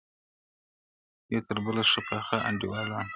یو تر بله ښه پاخه انډيوالان وه,